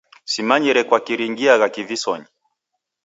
Simanyire kwaki ringiagha kivisonyi.